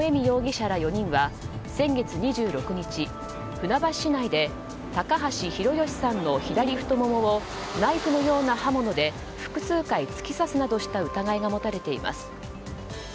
容疑者ら４人は先月２６日、船橋市内で高橋拓義さんの左太ももをナイフのような刃物で複数回突き刺すなどした疑いが持たれています。